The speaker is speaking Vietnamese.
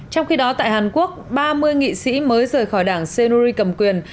trong khi đó tại hàn quốc ba mươi nghị sĩ mới rời khỏi đảng senuri cầm quyền